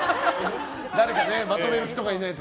誰かまとめる人がいないと。